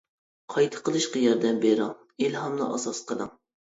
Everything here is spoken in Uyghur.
قايتا قىلىشقا ياردەم بىرىڭ، ئىلھامنى ئاساس قىلىڭ.